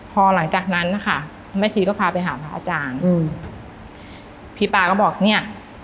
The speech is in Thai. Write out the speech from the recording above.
พอหลังจากนั้นนะคะแม่ชีก็พาไปหาพระอาจารย์อืมพี่ป๊าก็บอกเนี่ย